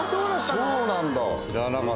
そうなんだ。